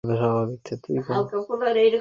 সেই ভয়ঙ্কর মহিলাটা বেচারা ওর উপর চিল্লাতে থাকে।